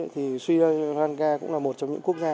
thì sri lanka cũng là một trong những quốc gia